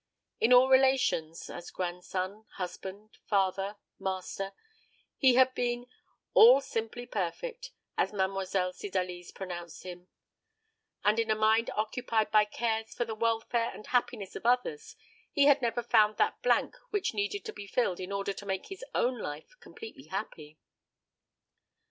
In all relations as grandson, husband, father, master he had been "all simply perfect," as Mademoiselle Cydalise pronounced him; and in a mind occupied by cares for the welfare and happiness of others, he had never found that blank which needed to be filled in order to make his own life completely happy.